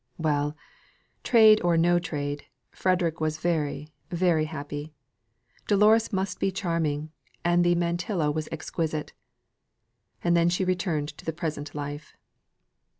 Well, trade or no trade, Frederick was very, very happy. Dolores must be charming, and the mantilla was exquisite! And then she returned to the present life.